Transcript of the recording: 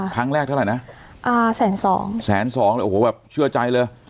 เท่าไหร่นะอ่าแสนสองแสนสองเลยโอ้โหแบบเชื่อใจเลย